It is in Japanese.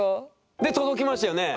で届きますよね